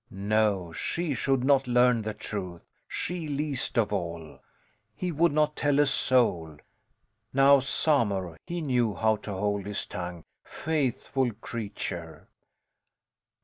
No, she should not learn the truth, she least of all. He would not tell a soul. Now Samur, he knew how to hold his tongue, faithful creature!